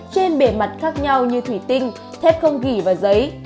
trên bề mặt khác nhau như thủy tinh thép không ghi và giấy